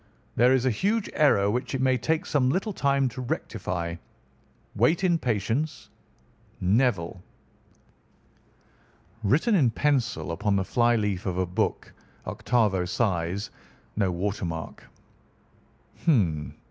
There is a huge error which it may take some little time to rectify. Wait in patience.—NEVILLE.' Written in pencil upon the fly leaf of a book, octavo size, no water mark. Hum!